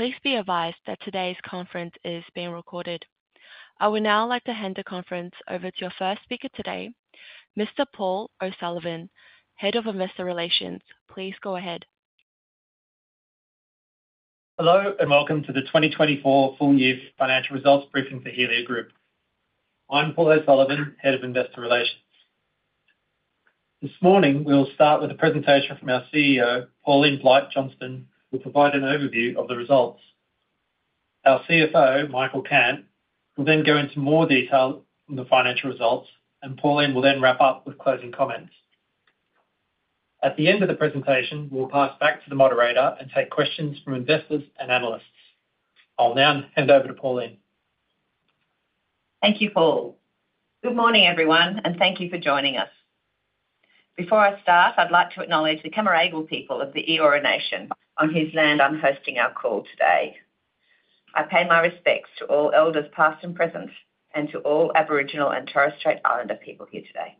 Please be advised that today's conference is being recorded. I would now like to hand the conference over to your first speaker today, Mr. Paul O'Sullivan, Head of Investor Relations. Please go ahead. Hello and welcome to the 2024 full-year financial results briefing for Helia Group. I'm Paul O'Sullivan, Head of Investor Relations. This morning, we'll start with a presentation from our CEO, Pauline Blight-Johnston, who will provide an overview of the results. Our CFO, Michael Cant, will then go into more detail on the financial results, and Pauline will then wrap up with closing comments. At the end of the presentation, we'll pass back to the moderator and take questions from investors and analysts. I'll now hand over to Pauline. Thank you, Paul. Good morning, everyone, and thank you for joining us. Before I start, I'd like to acknowledge the Cammeraygal people of the Eora Nation on whose land I'm hosting our call today. I pay my respects to all elders past and present, and to all Aboriginal and Torres Strait Islander people here today.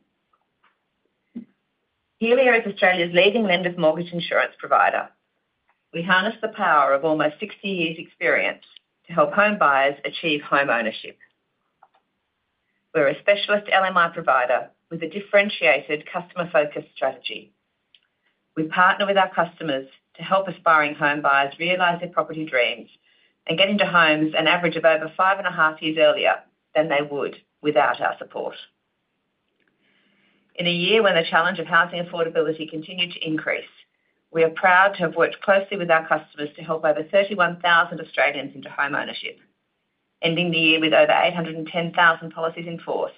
Helia is Australia's leading lender's mortgage insurance provider. We harness the power of almost 60 years' experience to help home buyers achieve home ownership. We're a specialist LMI provider with a differentiated customer-focused strategy. We partner with our customers to help aspiring home buyers realize their property dreams and get into homes an average of over five and a half years earlier than they would without our support. In a year when the challenge of housing affordability continued to increase, we are proud to have worked closely with our customers to help over 31,000 Australians into home ownership, ending the year with over 810,000 policies in force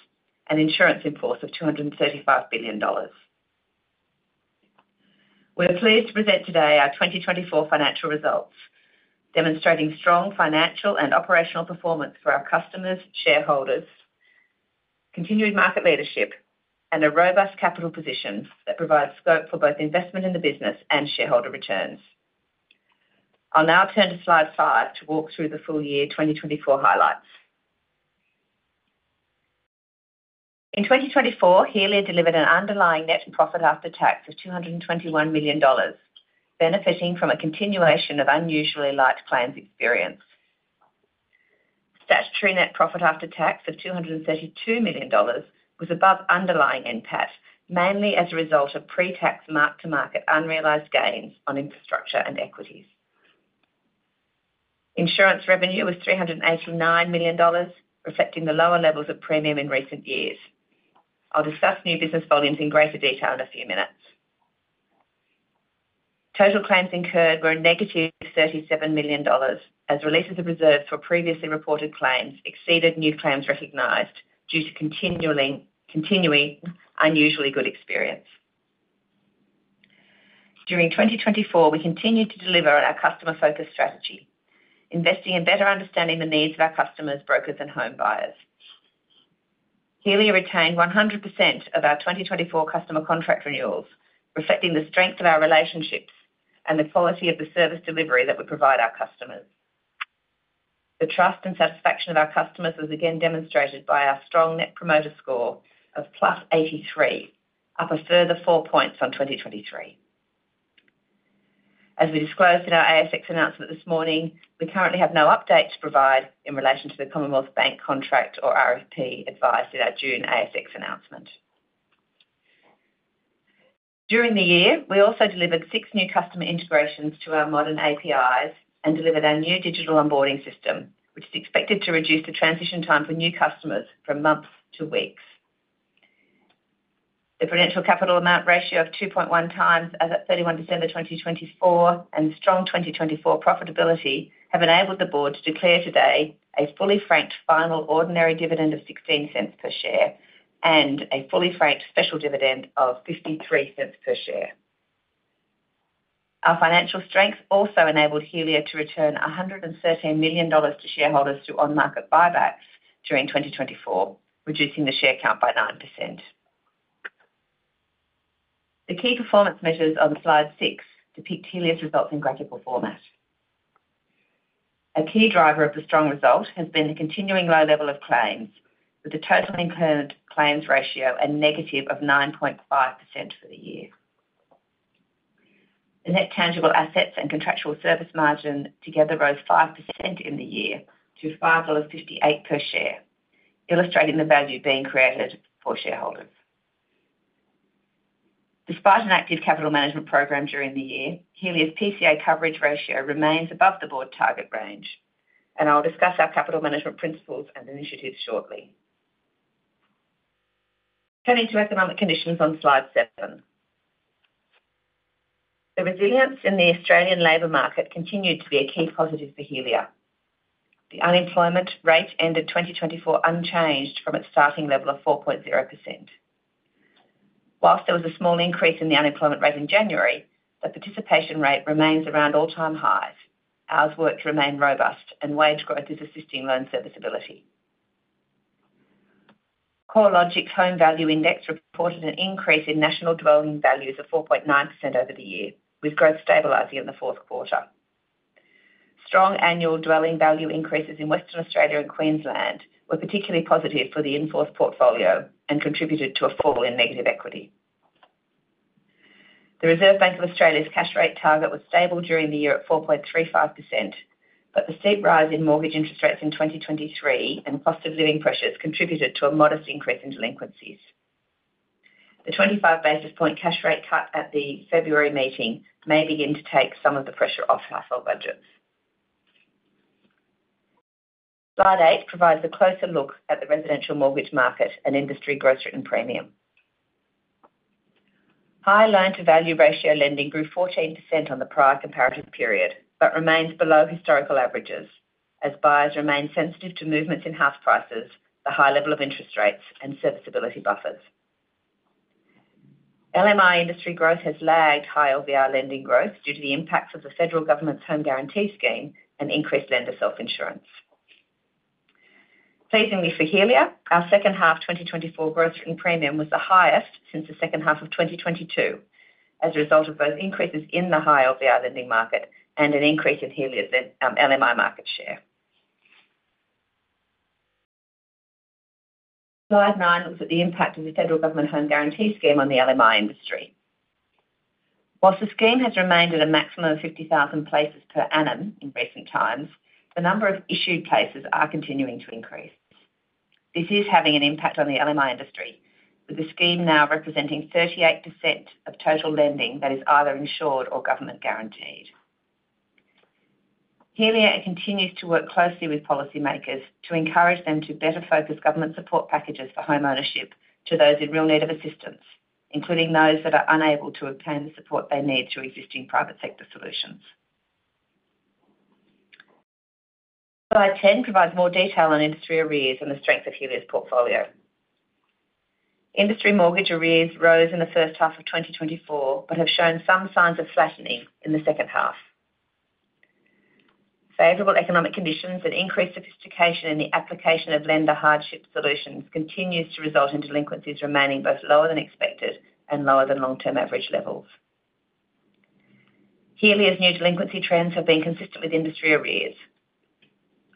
and insurance in force of 235 billion dollars. We're pleased to present today our 2024 financial results, demonstrating strong financial and operational performance for our customers, shareholders, continued market leadership, and a robust capital position that provides scope for both investment in the business and shareholder returns. I'll now turn to slide five to walk through the full-year 2024 highlights. In 2024, Helia delivered an underlying net profit after tax of 221 million dollars, benefiting from a continuation of unusually light claims experience. Statutory net profit after tax of 232 million dollars was above underlying NPAT, mainly as a result of pre-tax mark-to-market unrealized gains on infrastructure and equities. Insurance revenue was 389 million dollars, reflecting the lower levels of premium in recent years. I'll discuss new business volumes in greater detail in a few minutes. Total claims incurred were a negative 37 million dollars, as releases of reserves for previously reported claims exceeded new claims recognized due to continuing unusually good experience. During 2024, we continued to deliver on our customer-focused strategy, investing in better understanding the needs of our customers, brokers, and home buyers. Helia retained 100% of our 2024 customer contract renewals, reflecting the strength of our relationships and the quality of the service delivery that we provide our customers. The trust and satisfaction of our customers was again demonstrated by our strong Net Promoter score of plus 83, up a further four points on 2023. As we disclosed in our ASX announcement this morning, we currently have no update to provide in relation to the Commonwealth Bank contract or RFP advice in our June ASX announcement. During the year, we also delivered six new customer integrations to our modern APIs and delivered our new digital onboarding system, which is expected to reduce the transition time for new customers from months to weeks. The prudential capital amount ratio of 2.1 times as at 31 December 2024 and strong 2024 profitability have enabled the board to declare today a fully franked final ordinary dividend of 0.16 per share and a fully franked special dividend of 0.53 per share. Our financial strengths also enabled Helia to return 113 million dollars to shareholders through on-market buybacks during 2024, reducing the share count by 9%. The key performance measures on slide six depict Helia's results in graphical format. A key driver of the strong result has been the continuing low level of claims, with the total incurred claims ratio a negative of 9.5% for the year. The net tangible assets and contractual service margin together rose 5% in the year to 5.58 dollars per share, illustrating the value being created for shareholders. Despite an active capital management program during the year, Helia's PCA coverage ratio remains above the board target range, and I'll discuss our capital management principles and initiatives shortly. Turning to economic conditions on slide seven, the resilience in the Australian labor market continued to be a key positive for Helia. The unemployment rate ended 2024 unchanged from its starting level of 4.0%. While there was a small increase in the unemployment rate in January, the participation rate remains around all-time highs. Hours worked remain robust, and wage growth is assisting loan serviceability. CoreLogic Home Value Index reported an increase in national dwelling values of 4.9% over the year, with growth stabilizing in the fourth quarter. Strong annual dwelling value increases in Western Australia and Queensland were particularly positive for the insured portfolio and contributed to a fall in negative equity. The Reserve Bank of Australia's cash rate target was stable during the year at 4.35%, but the steep rise in mortgage interest rates in 2023 and cost of living pressures contributed to a modest increase in delinquencies. The 25 basis points cash rate cut at the February meeting may begin to take some of the pressure off household budgets. Slide eight provides a closer look at the residential mortgage market and industry growth and premium. High loan-to-value ratio lending grew 14% on the prior comparative period but remains below historical averages as buyers remain sensitive to movements in house prices, the high level of interest rates, and serviceability buffers. LMI industry growth has lagged high LVR lending growth due to the impacts of the federal government's Home Guarantee Scheme and increased lender self-insurance. Pleasingly for Helia, our second half 2024 growth and premium was the highest since the second half of 2022 as a result of both increases in the high LVR lending market and an increase in Helia's LMI market share. Slide nine looks at the impact of the federal government Home Guarantee Scheme on the LMI industry. While the scheme has remained at a maximum of 50,000 places per annum in recent times, the number of issued places is continuing to increase. This is having an impact on the LMI industry, with the scheme now representing 38% of total lending that is either insured or government guaranteed. Helia continues to work closely with policymakers to encourage them to better focus government support packages for home ownership to those in real need of assistance, including those that are unable to obtain the support they need through existing private sector solutions. Slide 10 provides more detail on industry arrears and the strength of Helia's portfolio. Industry mortgage arrears rose in the first half of 2024 but have shown some signs of flattening in the second half. Favorable economic conditions and increased sophistication in the application of lender hardship solutions continue to result in delinquencies remaining both lower than expected and lower than long-term average levels. Helia's new delinquency trends have been consistent with industry arrears.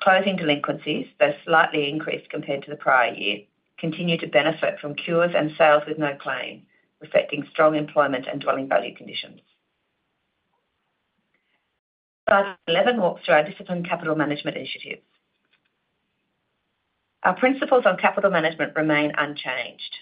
Closing delinquencies, though slightly increased compared to the prior year, continue to benefit from cures and sales with no claim, reflecting strong employment and dwelling value conditions. Slide 11 walks through our disciplined capital management initiatives. Our principles on capital management remain unchanged.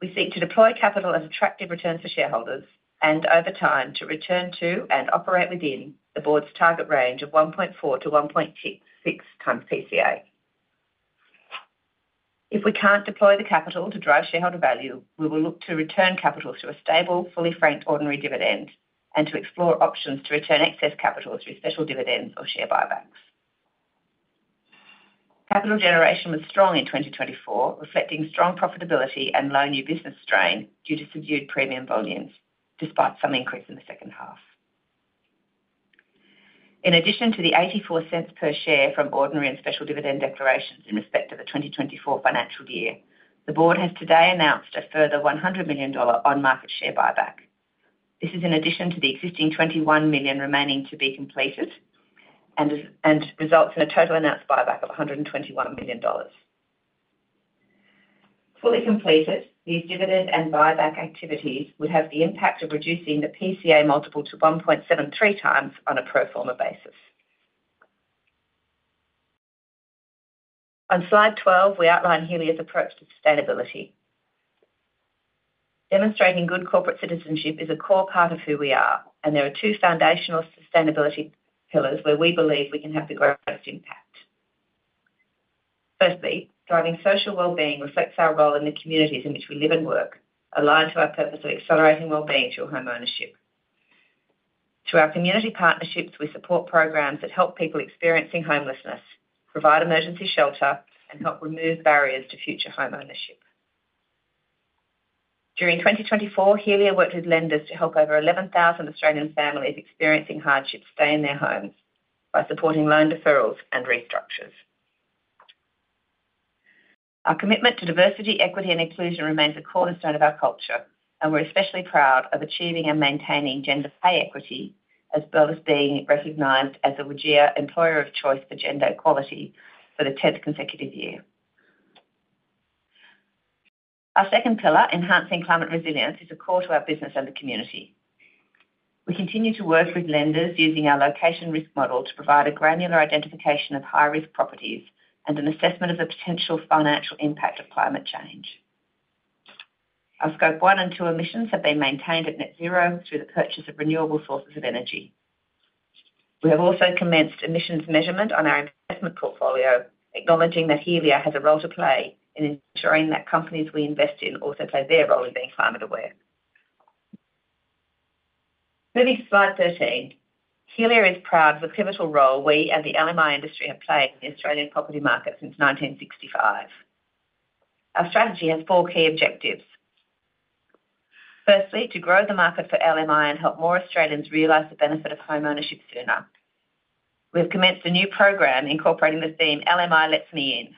We seek to deploy capital at attractive returns for shareholders and over time to return to and operate within the board's target range of 1.4 to 1.66 times PCA. If we can't deploy the capital to drive shareholder value, we will look to return capital through a stable, fully franked ordinary dividend and to explore options to return excess capital through special dividends or share buybacks. Capital generation was strong in 2024, reflecting strong profitability and low new business strain due to subdued premium volumes, despite some increase in the second half. In addition to the 0.84 per share from ordinary and special dividend declarations in respect of the 2024 financial year, the board has today announced a further 100 million dollar on-market share buyback. This is in addition to the existing 21 million remaining to be completed and results in a total announced buyback of 121 million dollars. Fully completed, these dividend and buyback activities would have the impact of reducing the PCA multiple to 1.73 times on a pro forma basis. On slide 12, we outline Helia's approach to sustainability. Demonstrating good corporate citizenship is a core part of who we are, and there are two foundational sustainability pillars where we believe we can have the greatest impact. Firstly, driving social well-being reflects our role in the communities in which we live and work, aligned to our purpose of accelerating well-being through home ownership. Through our community partnerships, we support programs that help people experiencing homelessness, provide emergency shelter, and help remove barriers to future home ownership. During 2024, Helia worked with lenders to help over 11,000 Australian families experiencing hardship stay in their homes by supporting loan deferrals and restructures. Our commitment to diversity, equity, and inclusion remains a cornerstone of our culture, and we're especially proud of achieving and maintaining gender pay equity as well as being recognized as the WGEA Employer of Choice for Gender Equality for the 10th consecutive year. Our second pillar, enhancing climate resilience, is a core to our business and the community. We continue to work with lenders using our location risk model to provide a granular identification of high-risk properties and an assessment of the potential financial impact of climate change. Our Scope 1 and 2 emissions have been maintained at net zero through the purchase of renewable sources of energy. We have also commenced emissions measurement on our investment portfolio, acknowledging that Helia has a role to play in ensuring that companies we invest in also play their role in being climate aware. Moving to slide 13, Helia is proud of the pivotal role we and the LMI industry have played in the Australian property market since 1965. Our strategy has four key objectives. Firstly, to grow the market for LMI and help more Australians realize the benefit of home ownership sooner. We have commenced a new program incorporating the theme "LMI lets me in,"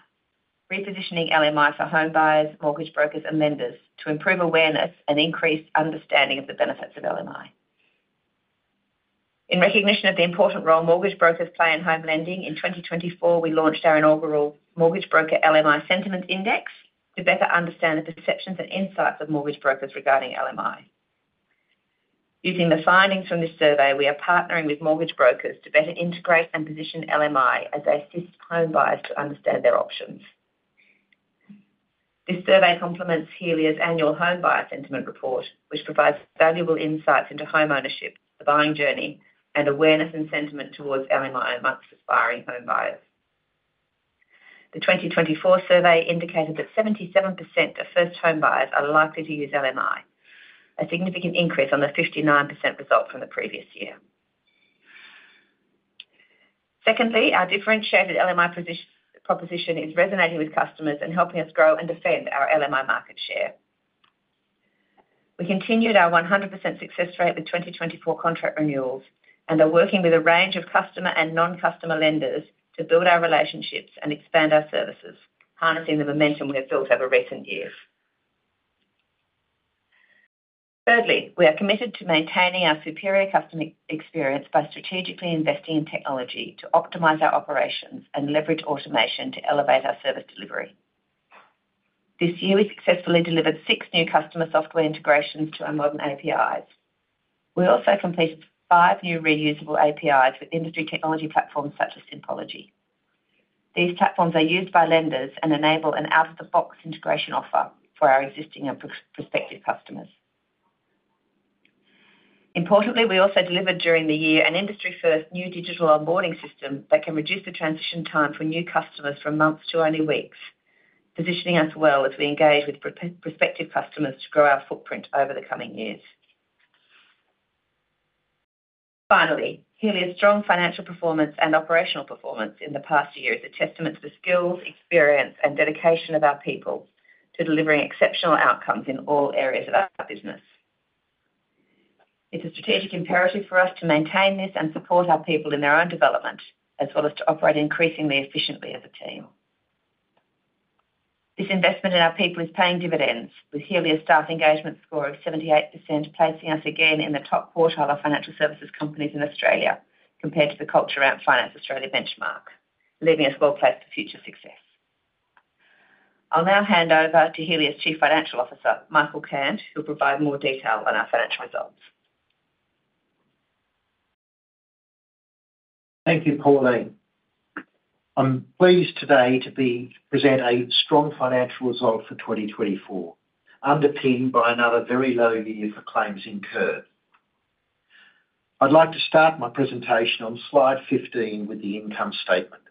repositioning LMI for home buyers, mortgage brokers, and lenders to improve awareness and increase understanding of the benefits of LMI. In recognition of the important role mortgage brokers play in home lending, in 2024, we launched our inaugural Mortgage Broker LMI Sentiment Index to better understand the perceptions and insights of mortgage brokers regarding LMI. Using the findings from this survey, we are partnering with mortgage brokers to better integrate and position LMI as they assist home buyers to understand their options. This survey complements Helia's annual Home Buyer Sentiment Report, which provides valuable insights into home ownership, the buying journey, and awareness and sentiment towards LMI among aspiring home buyers. The 2024 survey indicated that 77% of first home buyers are likely to use LMI, a significant increase on the 59% result from the previous year. Secondly, our differentiated LMI proposition is resonating with customers and helping us grow and defend our LMI market share. We continued our 100% success rate with 2024 contract renewals and are working with a range of customer and non-customer lenders to build our relationships and expand our services, harnessing the momentum we have built over recent years. Thirdly, we are committed to maintaining our superior customer experience by strategically investing in technology to optimize our operations and leverage automation to elevate our service delivery. This year, we successfully delivered six new customer software integrations to our modern APIs. We also completed five new reusable APIs with industry technology platforms such as Simpology. These platforms are used by lenders and enable an out-of-the-box integration offer for our existing and prospective customers. Importantly, we also delivered during the year an industry-first new digital onboarding system that can reduce the transition time for new customers from months to only weeks, positioning us well as we engage with prospective customers to grow our footprint over the coming years. Finally, Helia's strong financial performance and operational performance in the past year is a testament to the skills, experience, and dedication of our people to delivering exceptional outcomes in all areas of our business. It's a strategic imperative for us to maintain this and support our people in their own development, as well as to operate increasingly efficiently as a team. This investment in our people is paying dividends, with Helia's staff engagement score of 78% placing us again in the top quartile of financial services companies in Australia compared to the Culture Amp Finance Australia benchmark, leaving us well placed for future success. I'll now hand over to Helia's Chief Financial Officer, Michael Cant, who will provide more detail on our financial results. Thank you, Pauline. I'm pleased today to present a strong financial result for 2024, underpinned by another very low year for claims incurred. I'd like to start my presentation on slide 15 with the income statement.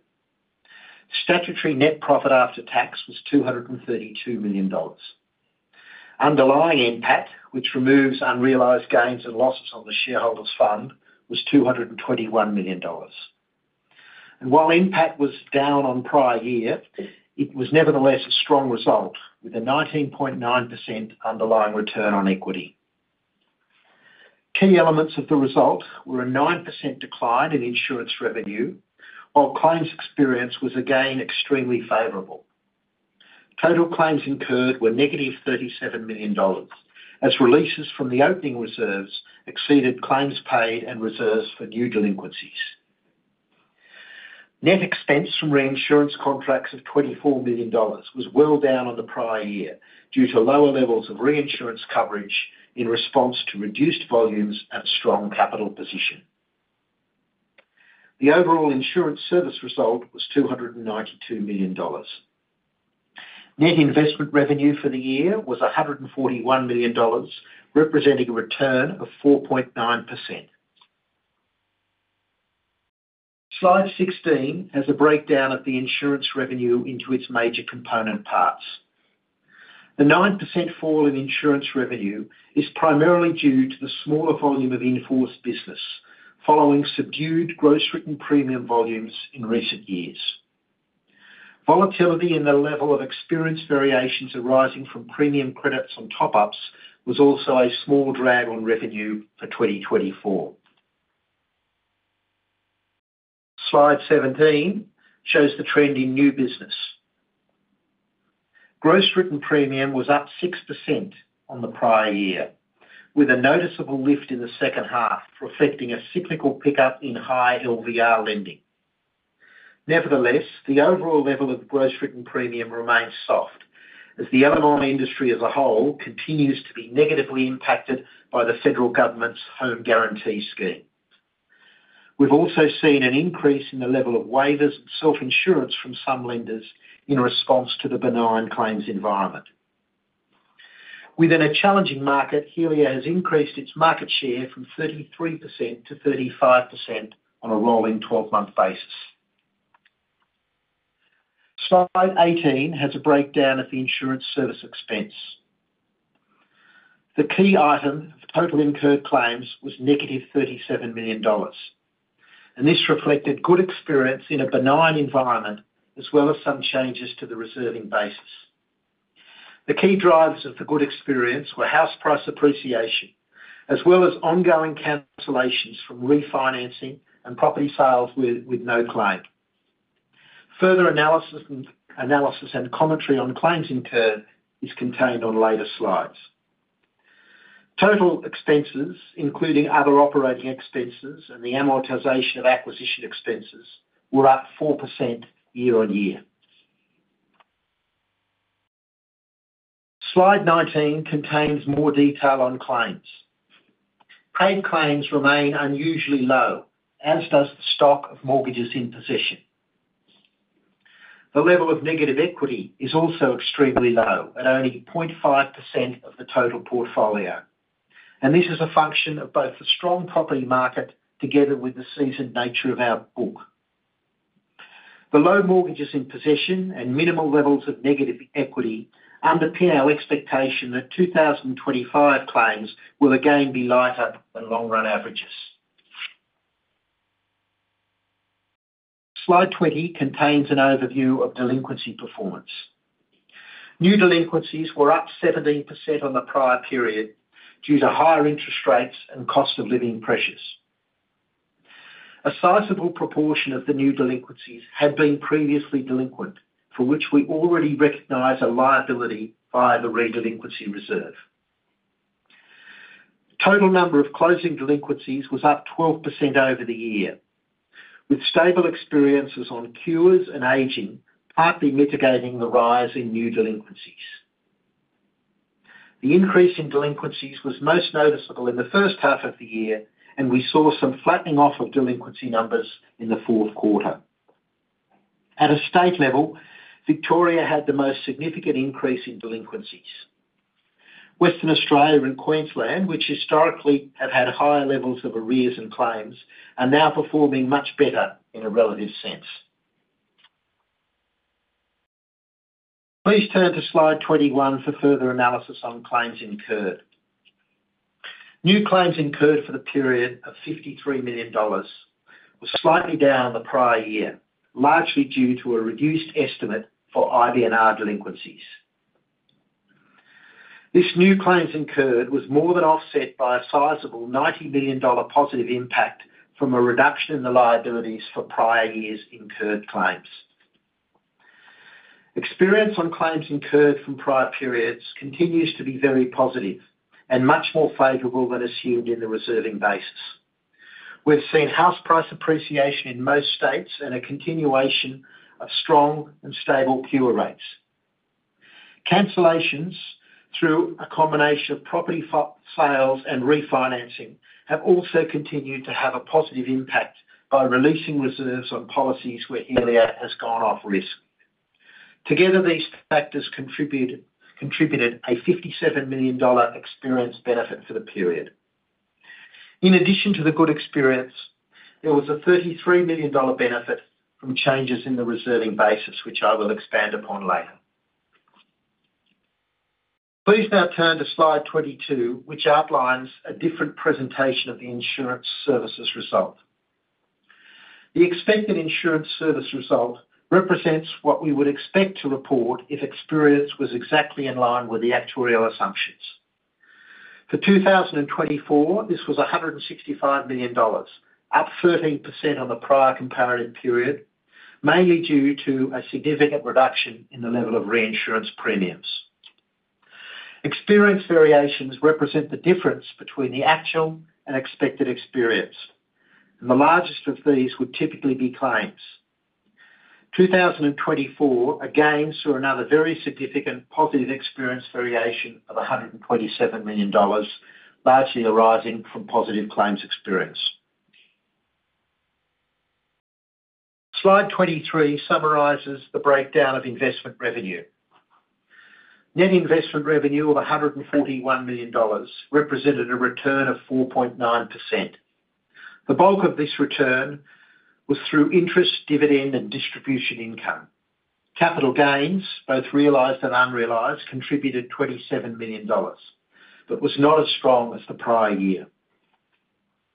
Statutory net profit after tax was 232 million dollars. Underlying impact, which removes unrealized gains and losses on the shareholders' fund, was 221 million dollars, and while impact was down on prior year, it was nevertheless a strong result with a 19.9% underlying return on equity. Key elements of the result were a 9% decline in insurance revenue, while claims experience was again extremely favorable. Total claims incurred were negative 37 million dollars, as releases from the opening reserves exceeded claims paid and reserves for new delinquencies. Net expense from reinsurance contracts of 24 million dollars was well down on the prior year due to lower levels of reinsurance coverage in response to reduced volumes and a strong capital position. The overall insurance service result was 292 million dollars. Net investment revenue for the year was 141 million dollars, representing a return of 4.9%. Slide 16 has a breakdown of the insurance revenue into its major component parts. The 9% fall in insurance revenue is primarily due to the smaller volume of insured business following subdued gross written premium volumes in recent years. Volatility in the level of experience variations arising from premium credits on top-ups was also a small drag on revenue for 2024. Slide 17 shows the trend in new business. Gross written premium was up 6% on the prior year, with a noticeable lift in the second half reflecting a cyclical pickup in high LTV lending. Nevertheless, the overall level of gross written premium remains soft as the LMI industry as a whole continues to be negatively impacted by the federal government's Home Guarantee Scheme. We've also seen an increase in the level of waivers and self-insurance from some lenders in response to the benign claims environment. Within a challenging market, Helia has increased its market share from 33% to 35% on a rolling 12-month basis. Slide 18 has a breakdown of the insurance service expense. The key item of total incurred claims was negative 37 million dollars, and this reflected good experience in a benign environment as well as some changes to the reserving basis. The key drivers of the good experience were house price appreciation as well as ongoing cancellations from refinancing and property sales with no claim. Further analysis and commentary on claims incurred is contained on later slides. Total expenses, including other operating expenses and the amortization of acquisition expenses, were up 4% year on year. Slide 19 contains more detail on claims. Paid claims remain unusually low, as does the stock of mortgages in possession. The level of negative equity is also extremely low at only 0.5% of the total portfolio, and this is a function of both the strong property market together with the seasoned nature of our book. The low mortgages in possession and minimal levels of negative equity underpin our expectation that 2025 claims will again be lighter than long-run averages. Slide 20 contains an overview of delinquency performance. New delinquencies were up 17% on the prior period due to higher interest rates and cost of living pressures. A sizable proportion of the new delinquencies had been previously delinquent, for which we already recognize a liability via the redelinquency reserve. Total number of closing delinquencies was up 12% over the year, with stable experiences on CURES and aging partly mitigating the rise in new delinquencies. The increase in delinquencies was most noticeable in the first half of the year, and we saw some flattening off of delinquency numbers in the fourth quarter. At a state level, Victoria had the most significant increase in delinquencies. Western Australia and Queensland, which historically have had higher levels of arrears and claims, are now performing much better in a relative sense. Please turn to slide 21 for further analysis on claims incurred. New claims incurred for the period of 53 million dollars were slightly down the prior year, largely due to a reduced estimate for IBNR delinquencies. This new claims incurred was more than offset by a sizable 90 million dollar positive impact from a reduction in the liabilities for prior year's incurred claims. Experience on claims incurred from prior periods continues to be very positive and much more favorable than assumed in the reserving basis. We've seen house price appreciation in most states and a continuation of strong and stable cure rates. Cancellations through a combination of property sales and refinancing have also continued to have a positive impact by releasing reserves on policies where Helia has gone off-risk. Together, these factors contributed an 57 million dollar experience benefit for the period. In addition to the good experience, there was an 33 million dollar benefit from changes in the reserving basis, which I will expand upon later. Please now turn to slide 22, which outlines a different presentation of the insurance services result. The expected insurance service result represents what we would expect to report if experience was exactly in line with the actuarial assumptions. For 2024, this was 165 million dollars, up 13% on the prior comparative period, mainly due to a significant reduction in the level of reinsurance premiums. Experience variations represent the difference between the actual and expected experience, and the largest of these would typically be claims. 2024 again saw another very significant positive experience variation of 127 million dollars, largely arising from positive claims experience. Slide 23 summarizes the breakdown of investment revenue. Net investment revenue of 141 million dollars represented a return of 4.9%. The bulk of this return was through interest, dividend, and distribution income. Capital gains, both realized and unrealized, contributed 27 million dollars, but was not as strong as the prior year.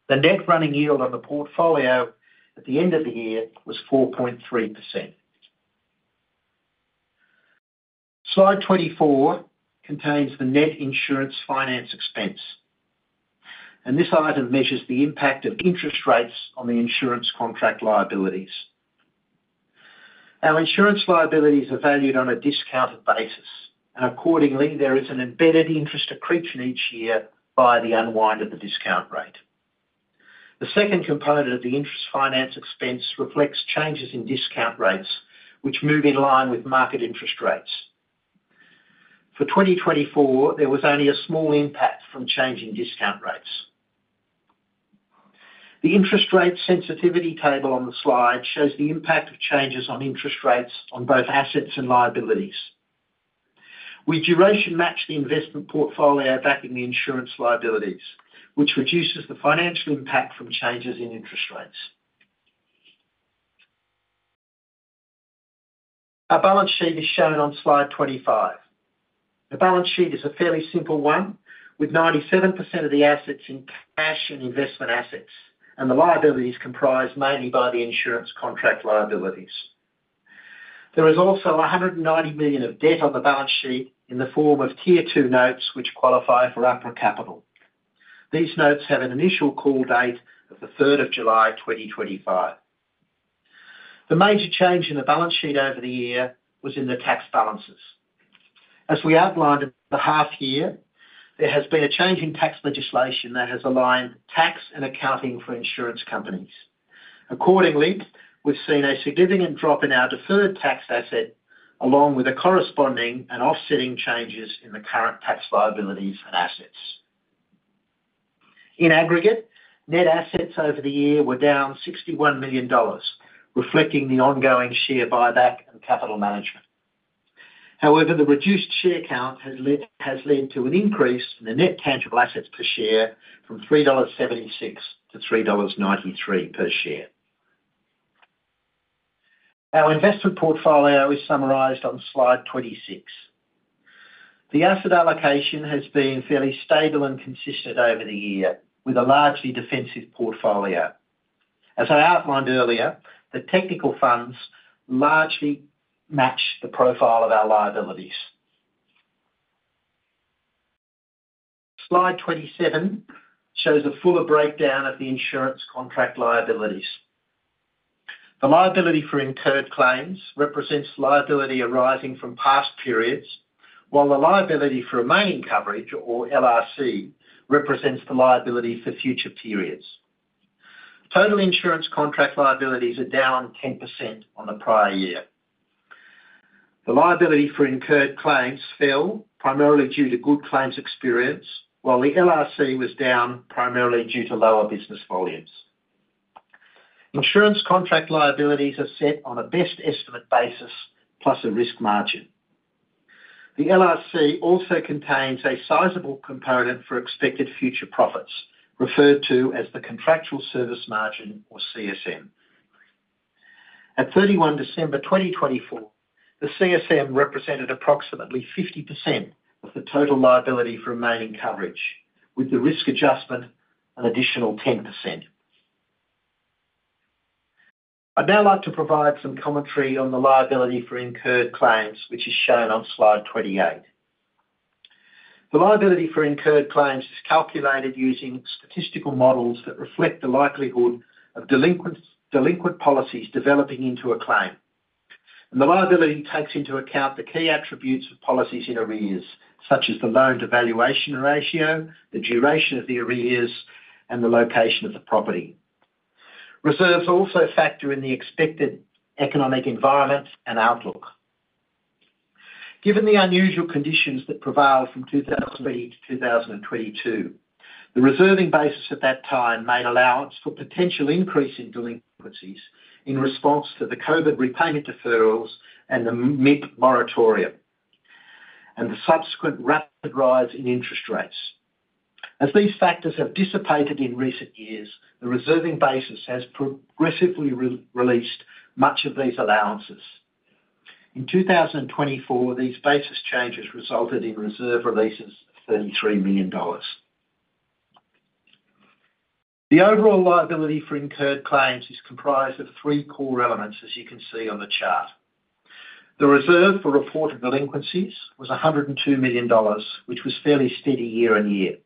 The net running yield on the portfolio at the end of the year was 4.3%. Slide 24 contains the net insurance finance expense, and this item measures the impact of interest rates on the insurance contract liabilities. Our insurance liabilities are valued on a discounted basis, and accordingly, there is an embedded interest accretion each year via the unwind of the discount rate. The second component of the interest finance expense reflects changes in discount rates, which move in line with market interest rates. For 2024, there was only a small impact from changing discount rates. The interest rate sensitivity table on the slide shows the impact of changes on interest rates on both assets and liabilities. We duration match the investment portfolio backing the insurance liabilities, which reduces the financial impact from changes in interest rates. A balance sheet is shown on slide 25. The balance sheet is a fairly simple one, with 97% of the assets in cash and investment assets, and the liabilities comprised mainly by the insurance contract liabilities. There is also 190 million of debt on the balance sheet in the form of Tier 2 notes which qualify for APRA capital. These notes have an initial call date of the 3rd of July 2025. The major change in the balance sheet over the year was in the tax balances. As we outlined in the half year, there has been a change in tax legislation that has aligned tax and accounting for insurance companies. Accordingly, we've seen a significant drop in our deferred tax asset, along with the corresponding and offsetting changes in the current tax liabilities and assets. I aggregate, net assets over the year were down 61 million dollars, reflecting the ongoing share buyback and capital management. However, the reduced share count has led to an increase in the net tangible assets per share from 3.76 dollars to 3.93 dollars per share. Our investment portfolio is summarized on slide 26. The asset allocation has been fairly stable and consistent over the year, with a largely defensive portfolio. As I outlined earlier, the technical funds largely match the profile of our liabilities. Slide 27 shows a fuller breakdown of the insurance contract liabilities. The liability for incurred claims represents liability arising from past periods, while the liability for remaining coverage, or LRC, represents the liability for future periods. Total insurance contract liabilities are down 10% on the prior year. The liability for incurred claims fell primarily due to good claims experience, while the LRC was down primarily due to lower business volumes. Insurance contract liabilities are set on a best estimate basis plus a risk margin. The LRC also contains a sizable component for expected future profits, referred to as the contractual service margin, or CSM. At 31 December 2024, the CSM represented approximately 50% of the total liability for remaining coverage, with the risk adjustment an additional 10%. I'd now like to provide some commentary on the liability for incurred claims, which is shown on slide 28. The liability for incurred claims is calculated using statistical models that reflect the likelihood of delinquent policies developing into a claim, and the liability takes into account the key attributes of policies in arrears, such as the loan-to-value ratio, the duration of the arrears, and the location of the property. Reserves also factor in the expected economic environment and outlook. Given the unusual conditions that prevailed from 2020 to 2022, the reserving basis at that time made allowance for potential increase in delinquencies in response to the COVID repayment deferrals and the mortgage moratorium and the subsequent rapid rise in interest rates. As these factors have dissipated in recent years, the reserving basis has progressively released much of these allowances. In 2024, these basis changes resulted in reserve releases of 33 million dollars. The overall liability for incurred claims is comprised of three core elements, as you can see on the chart. The reserve for reported delinquencies was 102 million dollars, which was fairly steady year on year.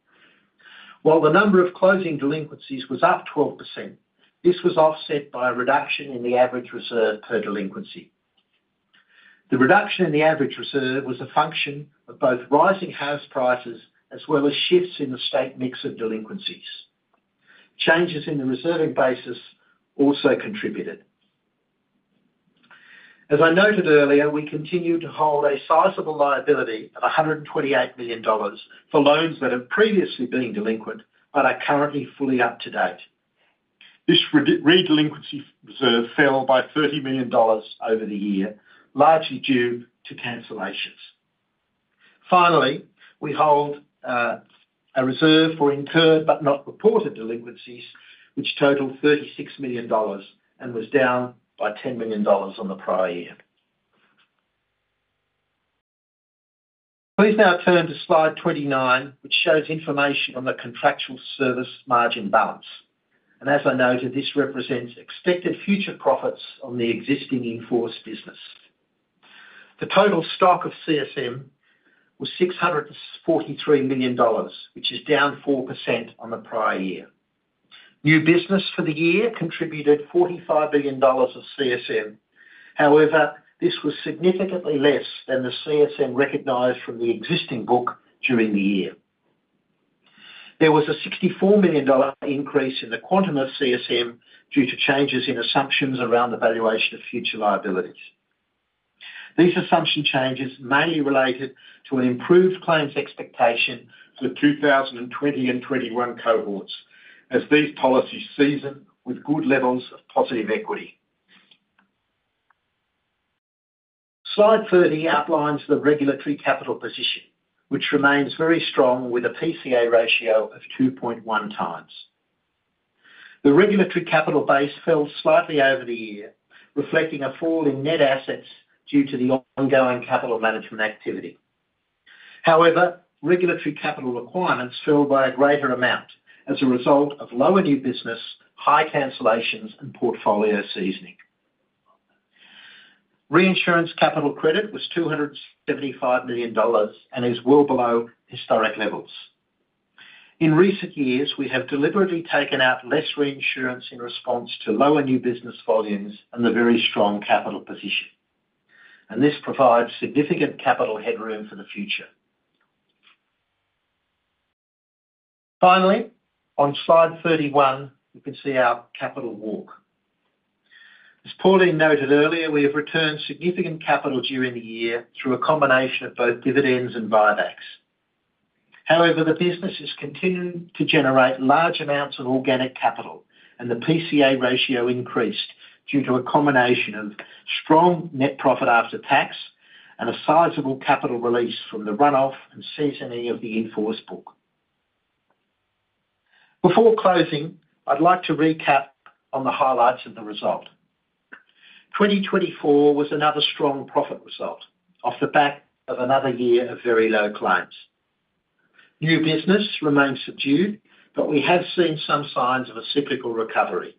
While the number of closing delinquencies was up 12%, this was offset by a reduction in the average reserve per delinquency. The reduction in the average reserve was a function of both rising house prices as well as shifts in the state mix of delinquencies. Changes in the reserving basis also contributed. As I noted earlier, we continue to hold a sizable liability of 128 million dollars for loans that have previously been delinquent but are currently fully up to date. This redelinquency reserve fell by AUD 30 million over the year, largely due to cancellations. Finally, we hold a reserve for incurred but not reported delinquencies, which totaled 36 million dollars and was down by 10 million dollars on the prior year. Please now turn to slide 29, which shows information on the contractual service margin balance, and as I noted, this represents expected future profits on the existing in force business. The total stock of CSM was 643 million dollars, which is down 4% on the prior year. New business for the year contributed 45 million dollars of CSM. However, this was significantly less than the CSM recognized from the existing book during the year. There was a 64 million dollar increase in the quantum of CSM due to changes in assumptions around the valuation of future liabilities. These assumption changes mainly related to an improved claims expectation for the 2020 and 2021 cohorts, as these policies season with good levels of positive equity. Slide 30 outlines the regulatory capital position, which remains very strong with a PCA ratio of 2.1 times. The regulatory capital base fell slightly over the year, reflecting a fall in net assets due to the ongoing capital management activity. However, regulatory capital requirements fell by a greater amount as a result of lower new business, high cancellations, and portfolio seasoning. Reinsurance capital credit was 275 million dollars and is well below historic levels. In recent years, we have deliberately taken out less reinsurance in response to lower new business volumes and the very strong capital position, and this provides significant capital headroom for the future. Finally, on slide 31, you can see our capital walk. As previously noted earlier, we have returned significant capital during the year through a combination of both dividends and buybacks. However, the business is continuing to generate large amounts of organic capital, and the PCA ratio increased due to a combination of strong net profit after tax and a sizable capital release from the runoff and seasoning of the insurance book. Before closing, I'd like to recap on the highlights of the result. 2024 was another strong profit result off the back of another year of very low claims. New business remains subdued, but we have seen some signs of a cyclical recovery.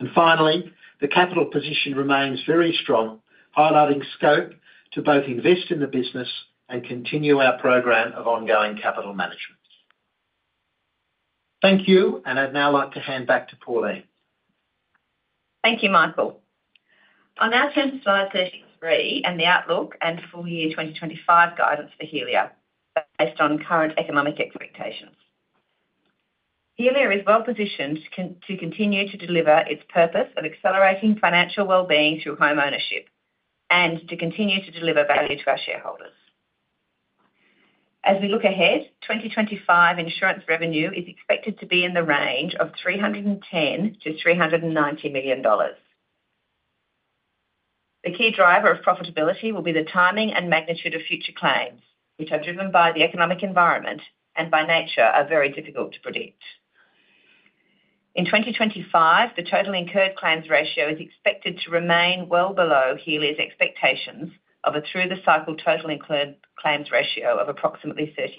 And finally, the capital position remains very strong, highlighting scope to both invest in the business and continue our program of ongoing capital management. Thank you, and I'd now like to hand back to Pauline. Thank you, Michael. I'll now turn to slide 33 and the outlook and full year 2025 guidance for Helia based on current economic expectations. Helia is well positioned to continue to deliver its purpose of accelerating financial well-being through home ownership and to continue to deliver value to our shareholders. As we look ahead, 2025 insurance revenue is expected to be in the range of 310 million-390 million dollars. The key driver of profitability will be the timing and magnitude of future claims, which are driven by the economic environment and by nature are very difficult to predict. In 2025, the total incurred claims ratio is expected to remain well below Helia's expectations of a through-the-cycle total incurred claims ratio of approximately 30%.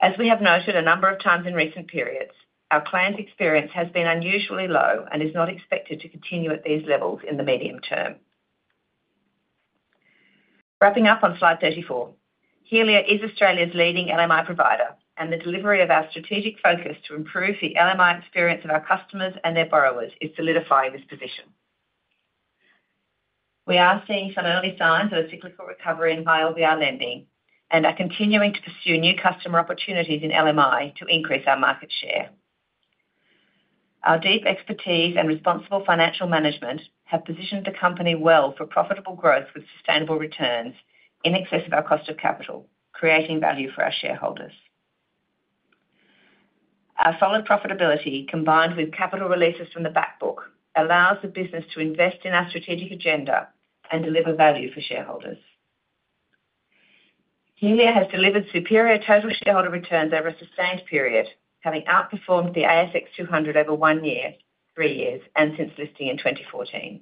As we have noted a number of times in recent periods, our claims experience has been unusually low and is not expected to continue at these levels in the medium term. Wrapping up on slide 34, Helia is Australia's leading LMI provider, and the delivery of our strategic focus to improve the LMI experience of our customers and their borrowers is solidifying this position. We are seeing some early signs of a cyclical recovery in high LVR lending and are continuing to pursue new customer opportunities in LMI to increase our market share. Our deep expertise and responsible financial management have positioned the company well for profitable growth with sustainable returns in excess of our cost of capital, creating value for our shareholders. Our solid profitability, combined with capital releases from the backbook, allows the business to invest in our strategic agenda and deliver value for shareholders. Helia has delivered superior total shareholder returns over a sustained period, having outperformed the ASX 200 over one year, three years, and since listing in 2014.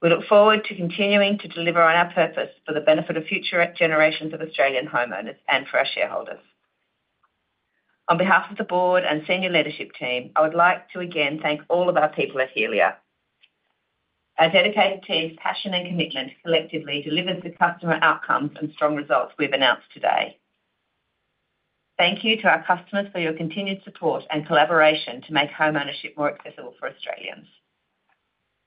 We look forward to continuing to deliver on our purpose for the benefit of future generations of Australian homeowners and for our shareholders. On behalf of the board and senior leadership team, I would like to again thank all of our people at Helia. Our dedicated team's passion and commitment collectively delivers the customer outcomes and strong results we've announced today. Thank you to our customers for your continued support and collaboration to make home ownership more accessible for Australians.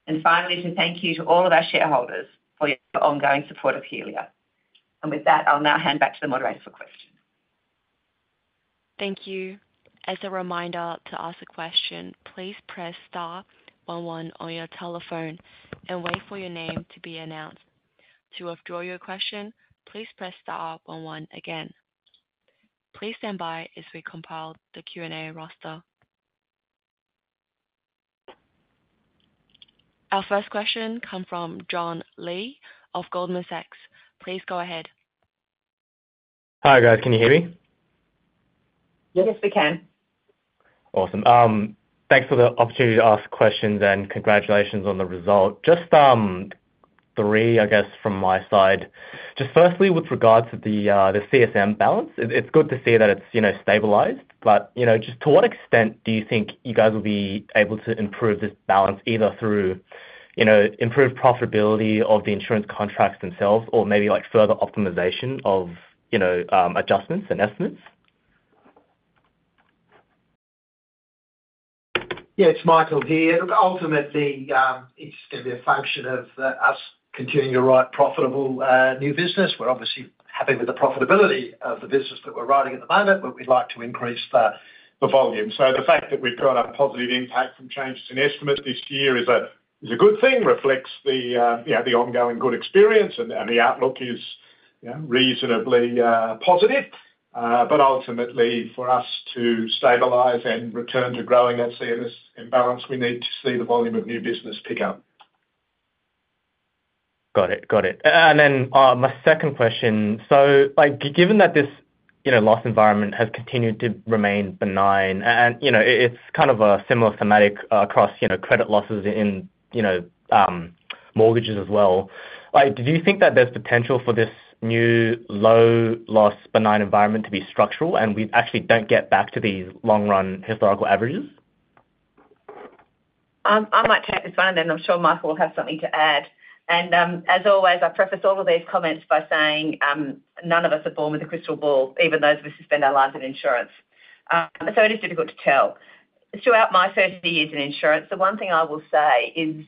And finally, to thank you to all of our shareholders for your ongoing support of Helia. And with that, I'll now hand back to the moderator for questions. Thank you. As a reminder to ask a question, please press star 11 on your telephone and wait for your name to be announced. To withdraw your question, please press star 11 again. Please stand by as we compile the Q&A roster. Our first question comes from John Lee of Goldman Sachs. Please go ahead. Hi guys, can you hear me? Yes, we can. Awesome. Thanks for the opportunity to ask questions and congratulations on the result. Just three, I guess, from my side. Just firstly, with regard to the CSM balance, it's good to see that it's stabilized, but just to what extent do you think you guys will be able to improve this balance either through improved profitability of the insurance contracts themselves or maybe further optimization of adjustments and estimates? Yeah, it's Michael here. Look, ultimately, it's going to be a function of us continuing to write profitable new business. We're obviously happy with the profitability of the business that we're writing at the moment, but we'd like to increase the volume. So the fact that we've got a positive impact from changes in estimates this year is a good thing, reflects the ongoing good experience, and the outlook is reasonably positive. But ultimately, for us to stabilize and return to growing that CSM balance, we need to see the volume of new business pick up. Got it. Got it. Then my second question, so given that this loss environment has continued to remain benign, and it's kind of a similar thematic across credit losses in mortgages as well, do you think that there's potential for this new low loss benign environment to be structural and we actually don't get back to these long-run historical averages? I might take this one, and then I'm sure Michael will have something to add. As always, I preface all of these comments by saying none of us are born with a crystal ball, even those of us who spend our lives in insurance. So it is difficult to tell. Throughout my 30 years in insurance, the one thing I will say is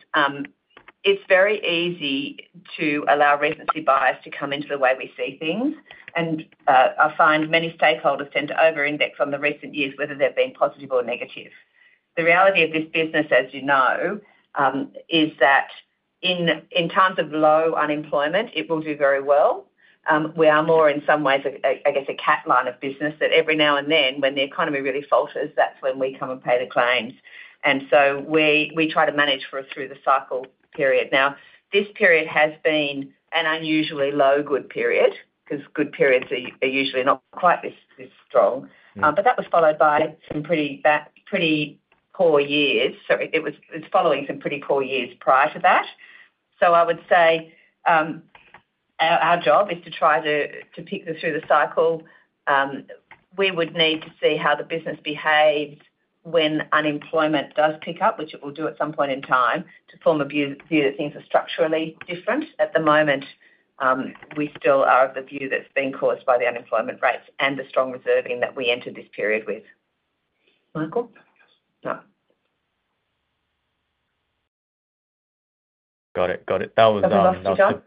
it's very easy to allow recency bias to come into the way we see things, and I find many stakeholders tend to over-index on the recent years, whether they've been positive or negative. The reality of this business, as you know, is that in times of low unemployment, it will do very well. We are more in some ways, I guess, a cat line of business that every now and then, when the economy really falters, that's when we come and pay the claims, and so we try to manage for a through-the-cycle period. Now, this period has been an unusually long good period because good periods are usually not quite this strong, but that was followed by some pretty poor years, so it was following some pretty poor years prior to that. So I would say our job is to try to pick the through-the-cycle. We would need to see how the business behaves when unemployment does pick up, which it will do at some point in time, to form a view that things are structurally different. At the moment, we still are of the view that it's been caused by the unemployment rates and the strong reserving that we entered this period with. Michael? No. Got it. Got it. That was nice. Thanks, John.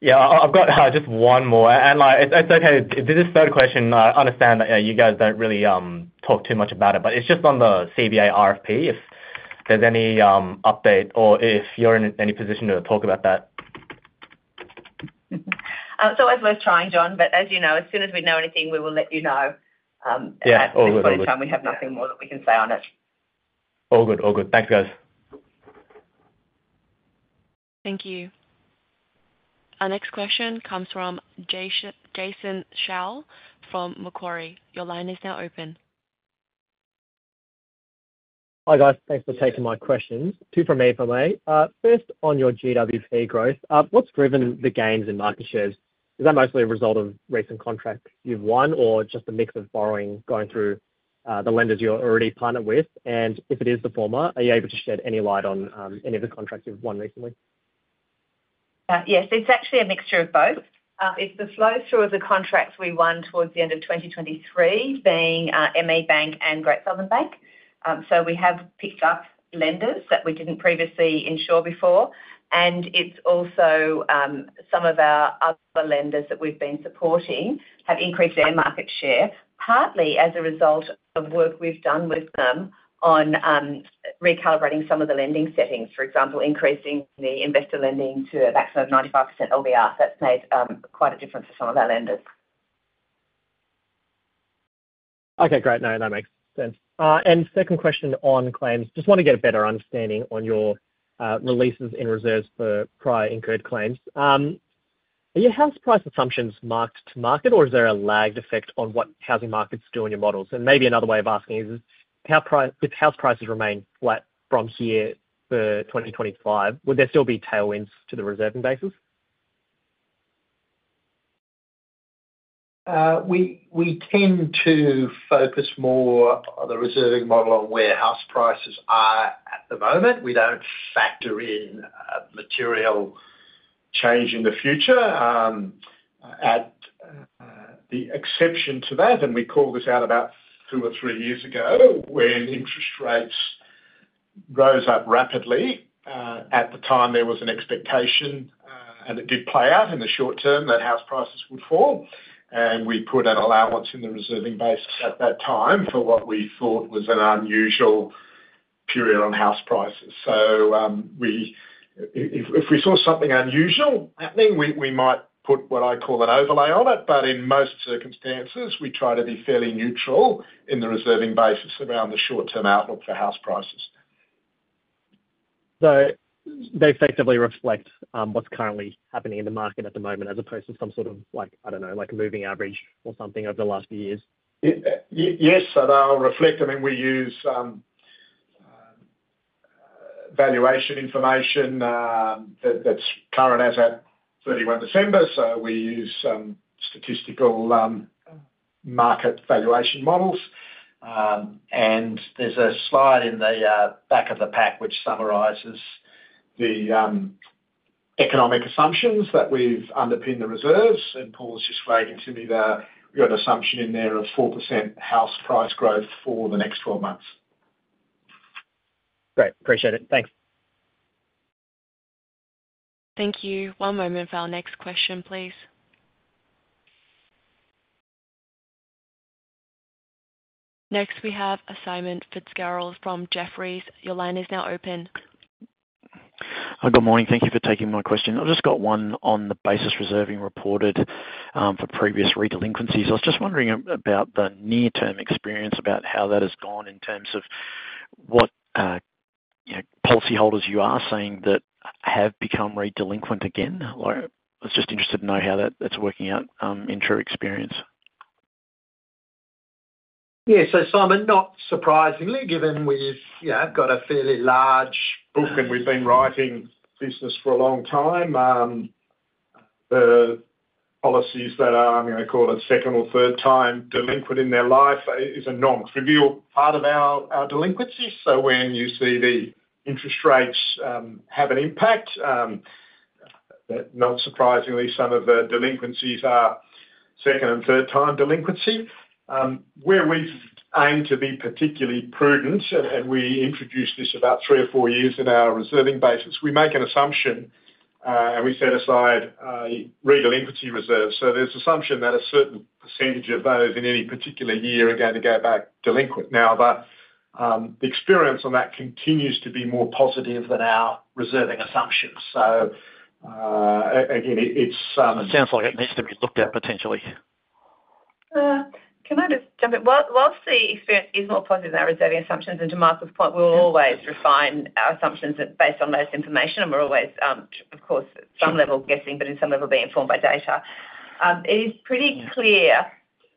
Yeah, I've got just one more. And it's okay. This is a third question. I understand that you guys don't really talk too much about it, but it's just on the CBA RFP, if there's any update or if you're in any position to talk about that. So, I'll leave it there, John, but as you know, as soon as we know anything, we will let you know. Yeah, all good. At this point in time, we have nothing more that we can say on it. All good. All good. Thanks, guys. Thank you. Our next question comes from Jason Shao from Macquarie. Your line is now open. Hi guys. Thanks for taking my questions. Two from me for me. First, on your GWP growth, what's driven the gains in market shares? Is that mostly a result of recent contracts you've won or just a mix of borrowing going through the lenders you're already partnered with? And if it is the former, are you able to shed any light on any of the contracts you've won recently? Yes, it's actually a mixture of both. It's the flow through of the contracts we won towards the end of 2023, being ME Bank and Great Southern Bank. So we have picked up lenders that we didn't previously insure before. And it's also some of our other lenders that we've been supporting have increased their market share, partly as a result of work we've done with them on recalibrating some of the lending settings. For example, increasing the investor lending to a maximum of 95% LVR. That's made quite a difference for some of our lenders. Okay, great. No, that makes sense. And second question on claims. Just want to get a better understanding on your releases in reserves for prior incurred claims. Are your house price assumptions marked to market, or is there a lagged effect on what housing markets do in your models? And maybe another way of asking is, if house prices remain flat from here for 2025, would there still be tailwinds to the reserving basis? We tend to focus more on the reserving model on where house prices are at the moment. We don't factor in material change in the future. As the exception to that, and we called this out about two or three years ago when interest rates rose up rapidly. At the time, there was an expectation, and it did play out in the short term, that house prices would fall, and we put an allowance in the reserving base at that time for what we thought was an unusual period on house prices, so if we saw something unusual happening, we might put what I call an overlay on it, but in most circumstances, we try to be fairly neutral in the reserving basis around the short-term outlook for house prices. So they effectively reflect what's currently happening in the market at the moment as opposed to some sort of, I don't know, moving average or something over the last few years? Yes, they'll reflect. I mean, we use valuation information that's current as of 31 December. So we use some statistical market valuation models. And there's a slide in the back of the pack which summarizes the economic assumptions that we've underpinned the reserves. And Paul's just flagging to me that we've got an assumption in there of 4% house price growth for the next 12 months. Great. Appreciate it. Thanks. Thank you. One moment for our next question, please. Next, we have Simon Fitzgerald from Jefferies. Your line is now open. Hi, good morning. Thank you for taking my question. I've just got one on the basis reserving reported for previous redelinquencies. I was just wondering about the near-term experience, about how that has gone in terms of what policyholders you are seeing that have become redelinquent again. I was just interested to know how that's working out in true experience. Yeah, so Simon, not surprisingly, given we've got a fairly large book and we've been writing business for a long time, the policies that are, I'm going to call it second or third-time delinquent in their life is a non-trivial part of our delinquencies. So when you see the interest rates have an impact, not surprisingly, some of the delinquencies are second and third-time delinquency. Where we've aimed to be particularly prudent, and we introduced this about three or four years in our reserving basis, we make an assumption and we set aside redelinquency reserves. So there's assumption that a certain percentage of those in any particular year are going to go back delinquent. Now, the experience on that continues to be more positive than our reserving assumptions. So again, it sounds like it needs to be looked at potentially. Can I just jump in? While the experience is more positive than our reserving assumptions, and to Michael's point, we will always refine our assumptions based on those information, and we're always, of course, at some level guessing, but in some level being informed by data. It is pretty clear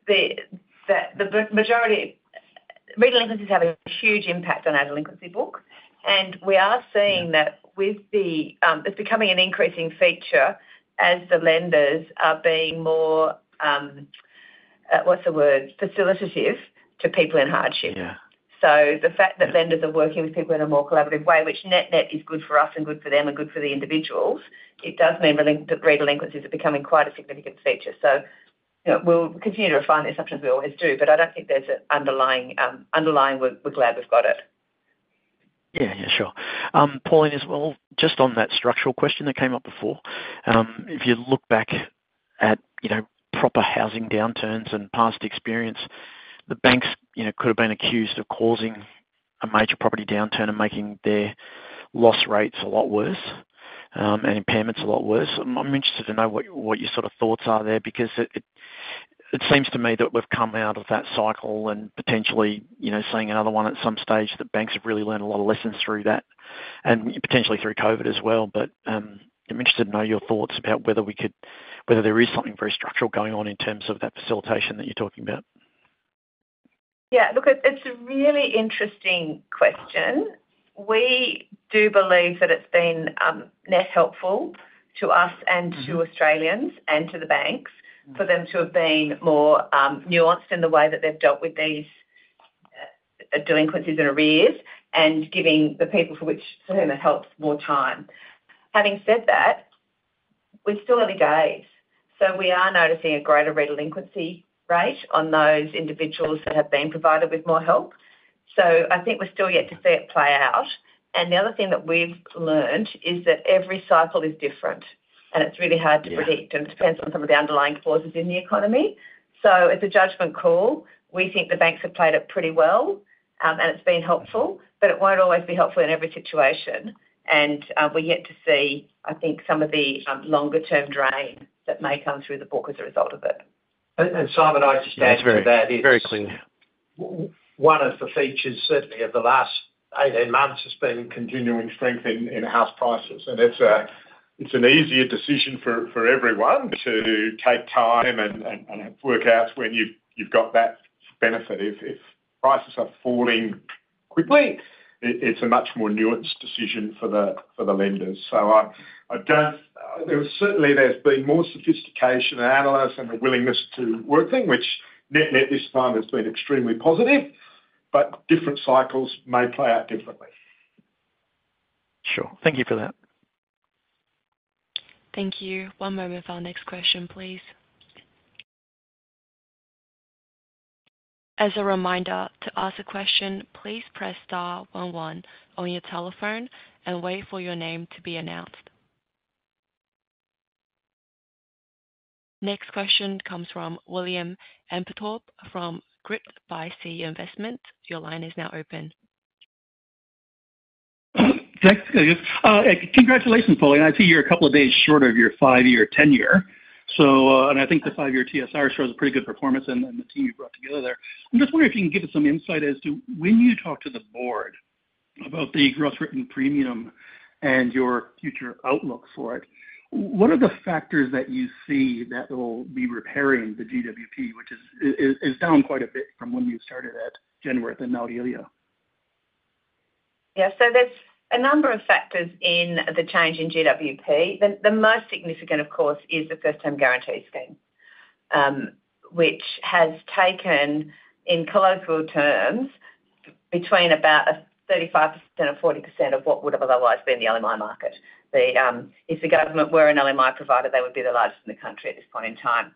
that the majority redelinquencies have a huge impact on our delinquency book, and we are seeing that with the it's becoming an increasing feature as the lenders are being more, what's the word, facilitative to people in hardship. The fact that lenders are working with people in a more collaborative way, which net-net is good for us and good for them and good for the individuals, it does mean redelinquencies are becoming quite a significant feature, so we'll continue to refine the assumptions we always do, but I don't think there's an underlying we're glad we've got it. Yeah, yeah, sure. Pauline, as well, just on that structural question that came up before, if you look back at proper housing downturns and past experience, the banks could have been accused of causing a major property downturn and making their loss rates a lot worse and impairments a lot worse. I'm interested to know what your sort of thoughts are there because it seems to me that we've come out of that cycle and potentially seeing another one at some stage that banks have really learned a lot of lessons through that, and potentially through COVID as well. But I'm interested to know your thoughts about whether there is something very structural going on in terms of that facilitation that you're talking about. Yeah, look, it's a really interesting question. We do believe that it's been net helpful to us and to Australians and to the banks for them to have been more nuanced in the way that they've dealt with these delinquencies and arrears and giving the people for which it helps more time. Having said that, we're still early days. So we are noticing a greater redelinquency rate on those individuals that have been provided with more help. So I think we're still yet to see it play out. And the other thing that we've learned is that every cycle is different, and it's really hard to predict, and it depends on some of the underlying causes in the economy. So it's a judgment call. We think the banks have played it pretty well, and it's been helpful, but it won't always be helpful in every situation. And we're yet to see, I think, some of the longer-term drain that may come through the book as a result of it. Simon, I'll just add to that. That's very clear. One of the features certainly of the last 18 months has been continuing strength in house prices. It's an easier decision for everyone to take time and work out when you've got that benefit. If prices are falling quickly, it's a much more nuanced decision for the lenders. So I don't think certainly there's been more sophistication and analysis and a willingness to work things, which net-net this time has been extremely positive, but different cycles may play out differently. Sure. Thank you for that. Thank you. One moment for our next question, please. As a reminder, to ask a question, please press star 11 on your telephone and wait for your name to be announced. Next question comes from [William Ampeter from Greig by Citi Investment]. Your line is now open. Thanks. Congratulations, Pauline. I see you're a couple of days short of your five-year tenure. And I think the five-year TSR shows a pretty good performance and the team you've brought together there. I'm just wondering if you can give us some insight as to when you talk to the board about the gross written premium and your future outlook for it. What are the factors that you see that will be repairing the GWP, which is down quite a bit from when you started at Genworth and now Helia? Yeah, so there's a number of factors in the change in GWP. The most significant, of course, is the First Home Guarantee Scheme, which has taken, in colloquial terms, between about 35% and 40% of what would have otherwise been the LMI market. If the government were an LMI provider, they would be the largest in the country at this point in time.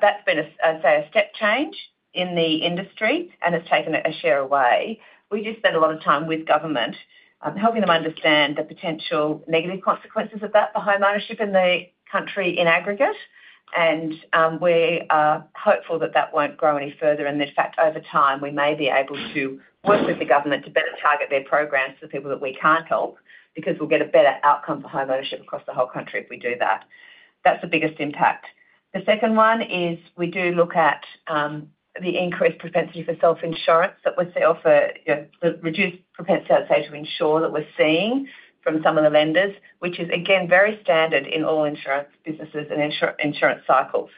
That's been, I'd say, a step change in the industry and has taken a share away. We just spend a lot of time with government, helping them understand the potential negative consequences of that for homeownership in the country in aggregate. And we're hopeful that that won't grow any further. And in fact, over time, we may be able to work with the government to better target their programs for the people that we can't help because we'll get a better outcome for homeownership across the whole country if we do that. That's the biggest impact. The second one is we do look at the increased propensity for self-insurance that we'll see or for the reduced propensity, I'd say, to insure that we're seeing from some of the lenders, which is, again, very standard in all insurance businesses and insurance cycles,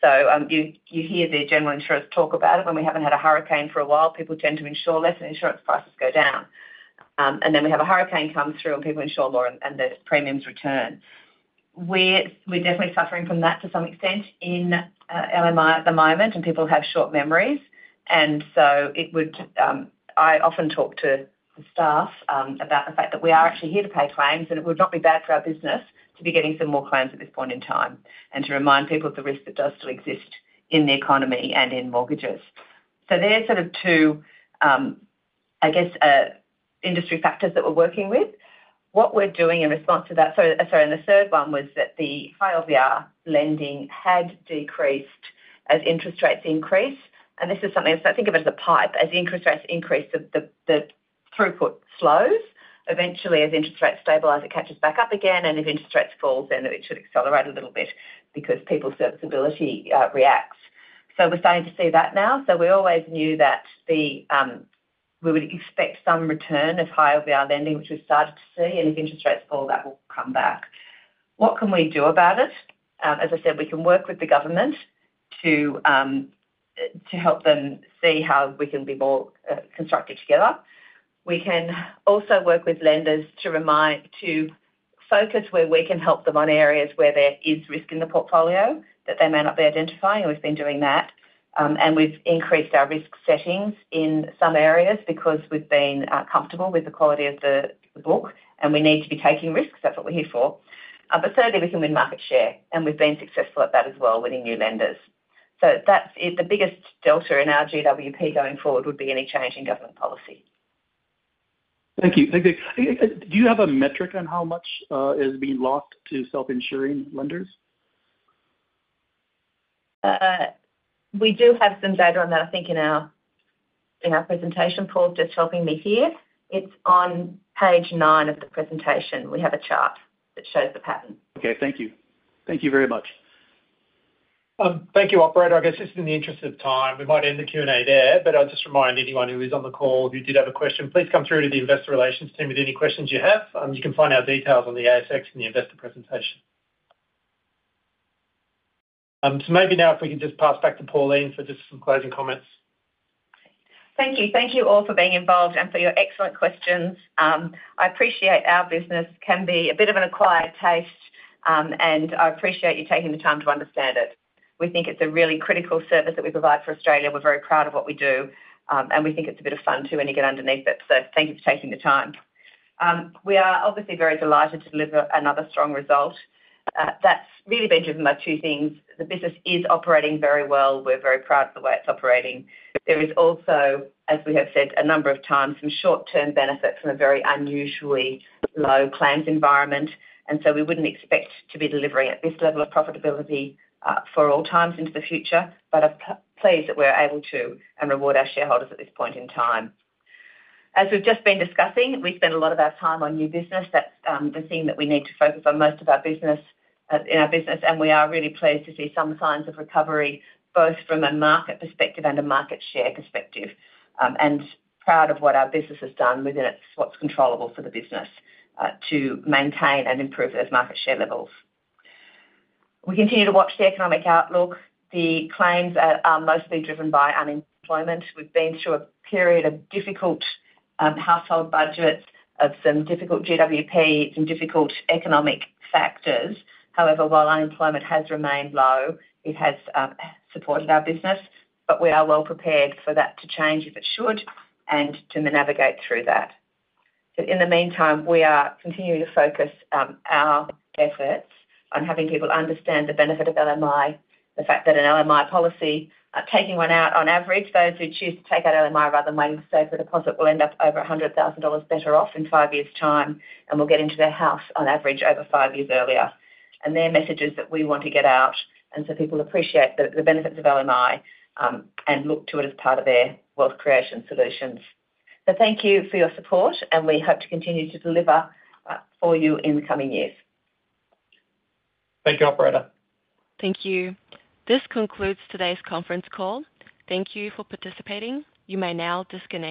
so you hear the general insurers talk about it. When we haven't had a hurricane for a while, people tend to insure less and insurance prices go down, and then we have a hurricane come through and people insure more and the premiums return. We're definitely suffering from that to some extent in LMI at the moment, and people have short memories. And so I often talk to the staff about the fact that we are actually here to pay claims, and it would not be bad for our business to be getting some more claims at this point in time and to remind people of the risk that does still exist in the economy and in mortgages. So they're sort of two, I guess, industry factors that we're working with. What we're doing in response to that, sorry, and the third one was that the high LVR lending had decreased as interest rates increase. And this is something I think of it as a pipe. As interest rates increase, the throughput slows. Eventually, as interest rates stabilize, it catches back up again. And if interest rates fall, then it should accelerate a little bit because people's serviceability reacts. So we're starting to see that now. So we always knew that we would expect some return of high LVR lending, which we've started to see. And if interest rates fall, that will come back. What can we do about it? As I said, we can work with the government to help them see how we can be more constructive together. We can also work with lenders to focus where we can help them on areas where there is risk in the portfolio that they may not be identifying. And we've been doing that. And we've increased our risk settings in some areas because we've been comfortable with the quality of the book, and we need to be taking risks. That's what we're here for. But thirdly, we can win market share. And we've been successful at that as well, winning new lenders. So the biggest delta in our GWP going forward would be any change in government policy. Thank you. Thank you. Do you have a metric on how much is being lost to self-insuring lenders? We do have some data on that, I think, in our presentation Paul. Just helping me here. It's on page nine of the presentation. We have a chart that shows the pattern. Okay. Thank you. Thank you very much. Thank you, Operator. I guess just in the interest of time, we might end the Q&A there. But I'll just remind anyone who is on the call who did have a question, please come through to the investor relations team with any questions you have. You can find our details on the ASX and the investor presentation. So maybe now, if we can just pass back to Pauline for just some closing comments. Thank you. Thank you all for being involved and for your excellent questions. I appreciate our business can be a bit of an acquired taste, and I appreciate you taking the time to understand it. We think it's a really critical service that we provide for Australia. We're very proud of what we do, and we think it's a bit of fun too when you get underneath it, so thank you for taking the time. We are obviously very delighted to deliver another strong result. That's really been driven by two things. The business is operating very well. We're very proud of the way it's operating. There is also, as we have said a number of times, some short-term benefits from a very unusually low claims environment. And so we wouldn't expect to be delivering at this level of profitability for all times into the future, but I'm pleased that we're able to and reward our shareholders at this point in time. As we've just been discussing, we spend a lot of our time on new business. That's the thing that we need to focus on most of our business in our business. And we are really pleased to see some signs of recovery, both from a market perspective and a market share perspective. And proud of what our business has done within what's controllable for the business to maintain and improve those market share levels. We continue to watch the economic outlook. The claims are mostly driven by unemployment. We've been through a period of difficult household budgets, of some difficult GWP, some difficult economic factors. However, while unemployment has remained low, it has supported our business, but we are well prepared for that to change if it should and to navigate through that. In the meantime, we are continuing to focus our efforts on having people understand the benefit of LMI, the fact that an LMI policy, taking one out on average, those who choose to take out LMI rather than waiting to save for a deposit will end up over 100,000 dollars better off in five years' time, and will get into their house on average over five years earlier, and their message is that we want to get out, and so people appreciate the benefits of LMI and look to it as part of their wealth creation solutions, so thank you for your support, and we hope to continue to deliver for you in the coming years. Thank you, Operator. Thank you. This concludes today's conference call. Thank you for participating. You may now disconnect.